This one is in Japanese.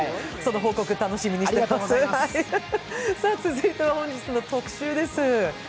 続いては本日の特集です。